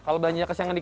kalau banyak kesengendak